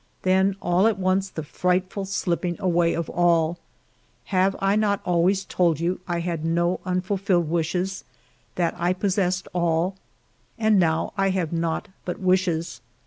Then, all at once, the frightful slipping away of all ! Have I not always told you I had no unfulfilled wishes ; that I possessed all ? And now I have naught but wishes.